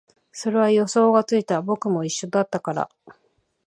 それは予想がついた、僕も一緒だったから